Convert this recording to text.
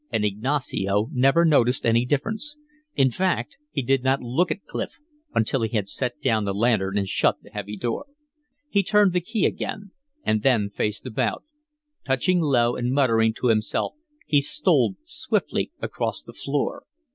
And Ignacio never noticed any difference, in fact he did not look at Clif until he had set down the lantern and shut the heavy door. He turned the key again and then faced about; touching low and muttering to himself, he stole swiftly across the floor.